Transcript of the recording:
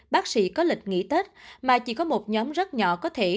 bác sĩ có lịch nghỉ tết mà chỉ có một nhóm rất nhỏ có thể